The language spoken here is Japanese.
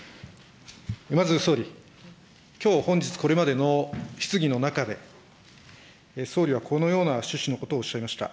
まず総理、きょう本日これまでの質疑の中で、総理はこのような趣旨のことをおっしゃいました。